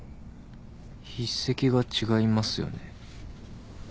筆跡が違いますよね。